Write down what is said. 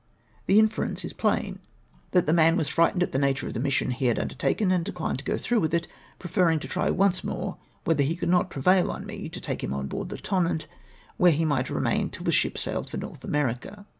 The inference is plain, that the IMPROBABILITY OF MY CONFEDERACY. 337 man was friofliteiied at the nature of the mission he had luidertaken, and dechned to go through with it, prefer ring to try once more whether he could not prevail on me to take him on board the To?inant, where he might remain till the ship sailed for North America.